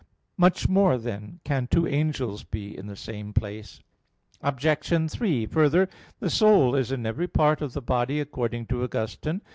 Much more, then, can two angels be in the same place. Obj. 3: Further, the soul is in every part of the body, according to Augustine (De Trin.